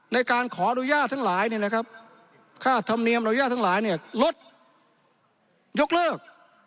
ในการขอดูญาติทั้งหลายข้าธรรมเนียมลดยกเลิก